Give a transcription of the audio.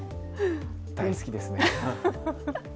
大好きですね。